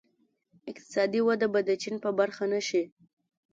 اقتصادي وده به د چین په برخه نه شي.